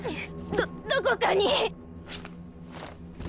どどこかに！！